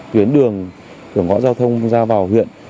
tuyến đường cửa ngõ giao thông ra vào huyện